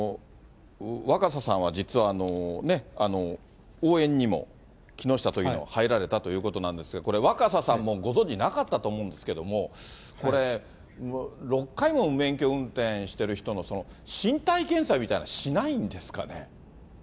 若狭さんは、実は応援にも、木下都議の、入られたということなんですが、これ、若狭さんもご存じなかったと思うんですけれども、これ、６回も無免許運転してる人の、その身体検査みたいなのはしないんですかね。